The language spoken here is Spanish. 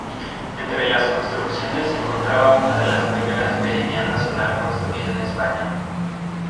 Entre las construcciones se encontraba una de las primeras meridiana solar construida en España.